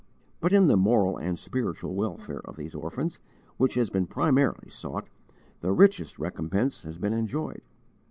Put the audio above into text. But in the moral and spiritual welfare of these orphans, which has been primarily sought, the richest recompense has been enjoyed.